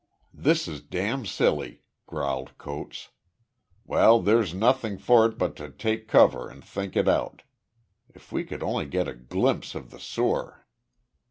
"This is damn silly," growled Coates. "Well, there's nothing for it but to take cover and think it out. If we could only get a glimpse of the soor."